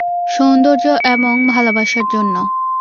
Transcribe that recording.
সৌন্দর্য এবং ভালবাসার জন্য।